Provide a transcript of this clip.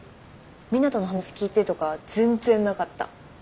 湊斗の話聞いてとかは全然なかった。